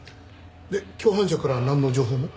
で共犯者からはなんの情報も？